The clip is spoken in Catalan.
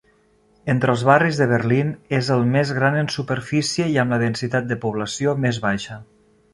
Entre els barris de Berlín, és el més gran en superfície i amb la densitat de població més baixa.